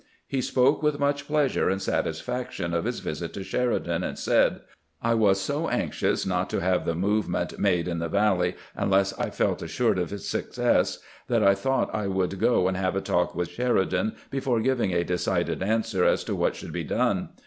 He spoke with much pleasure and satisfaction of his visit to Sheridan, and said: "I was so anxious not to have the movement made in the Valley unless I felt assured of its success that I thought I would go and have a talk with Sheridan before giving a decided answer as to what should be done.